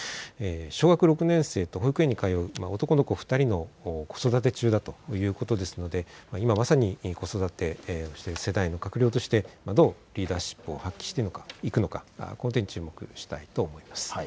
小学６年生と保育園に通う男の子２人の子育て中ということですので今まさに子育てをしている世代の閣僚として、どうリーダーシップを発揮していくのかこの点に注目したいと思います。